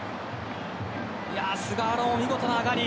菅原も見事な上がり。